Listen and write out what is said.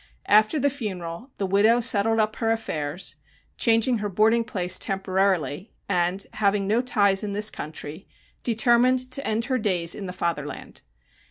After the funeral the widow settled up her affairs, changing her boarding place temporarily, and, having no ties in this country, determined to return to end her days in the Fatherland.